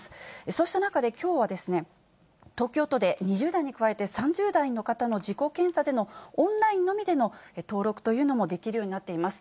そうした中できょうは、東京都で２０代に加えて、３０代の方の自己検査でのオンラインのみでの登録というのもできるようになっています。